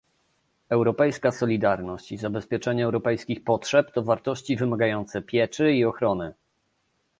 Europejska solidarność i zabezpieczenie europejskich potrzeb to wartości wymagające pieczy i ochrony